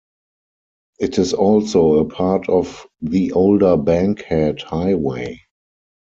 It is also a part of the older Bankhead Highway.